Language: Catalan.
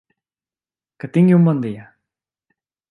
Que tingui un bon dia!